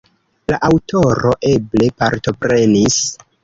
La aŭtoro eble partoprenis.